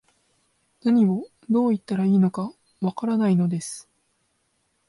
何を、どう言ったらいいのか、わからないのです